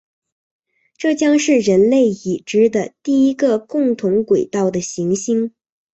这将是人类已知的第一个共同轨道的行星。